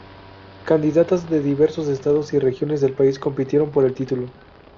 Candidatas de diversos estados y regiones del país compitieron por el título.